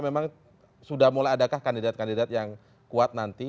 kita akan menjawab kandidat kandidat yang kuat nanti